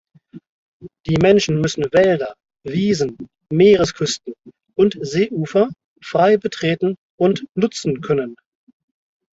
Die Menschen müssen Wälder, Wiesen, Meeresküsten und Seeufer frei betreten und nutzen können.